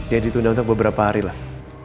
ya ditunda untuk beberapa hari lah